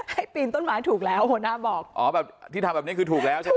ปีนต้นไม้ถูกแล้วหัวหน้าบอกอ๋อแบบที่ทำแบบนี้คือถูกแล้วใช่ไหม